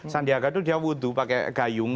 sandiaga itu dia wudhu pakai gayung